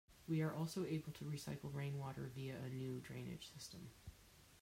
We are also able to recycle rain water via a new drainage system.